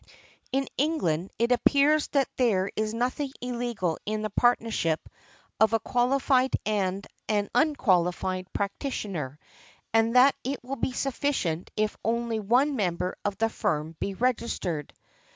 In England, it appears that there is nothing illegal in the partnership of a qualified and an unqualified practitioner, and that it will be sufficient if only one member of the firm be registered .